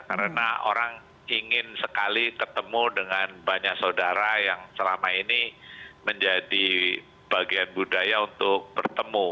karena orang ingin sekali ketemu dengan banyak saudara yang selama ini menjadi bagian budaya untuk bertemu